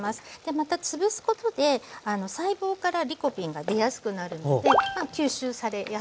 またつぶすことで細胞からリコピンが出やすくなるので吸収されやすくなるってことなんですね。